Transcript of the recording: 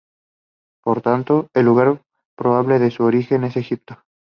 Por tanto, el lugar probable de su origen es Egipto.